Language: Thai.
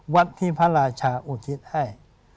วัดที่พระราชาอุทิศให้